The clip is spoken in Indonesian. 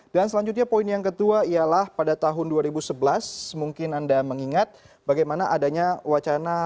dan selanjutnya poin yang ketua ialah pada tahun dua ribu sebelas mungkin anda mengingat bagaimana adanya wacana